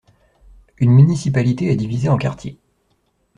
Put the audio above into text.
Une municipalité est divisée en quartiers.